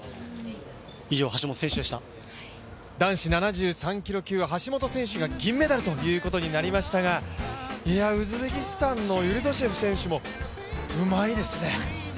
男子７３キロ級は橋本選手が銀メダルということになりましたがウズベキスタンのユルドシェフ選手もうまいですね。